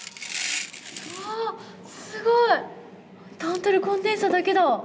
うわすごいタンタルコンデンサだけだ！